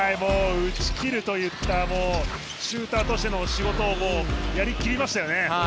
打ち切るというシューターとしての仕事をやり切りましたよね。